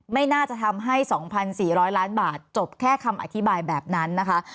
ไม่น่าจะทำให้๒๔๐๐ล้านบาทจบแค่คำอธิบายแบบนั้นนะคะ